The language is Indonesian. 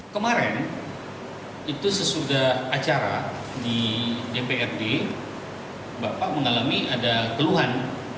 kemarin itu sesudah acara di dprd bapak mengalami ada keluhan